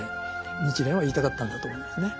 日蓮は言いたかったんだと思いますね。